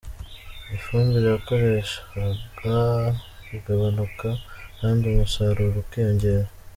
Ifumbire yakoreshwaga ikagabanuka, kandi umusaruro ukiyongera.